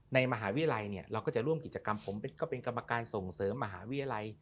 ในมหาวิทยาลัยเนี่ยเราก็จะร่วมกิจกรรมผมก็เป็นกรรมการส่งเสริมมหาวิทยาลัย